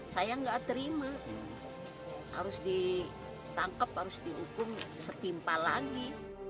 saya nggak terima harus ditangkap harus dihukum setimpa lagi